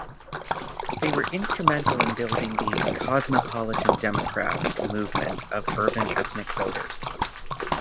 They were instrumental in building the "cosmopolitan Democrats" movement of urban ethnic voters.